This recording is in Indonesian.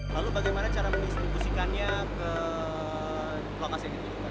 lalu bagaimana cara mendistribusikannya ke kawasan ini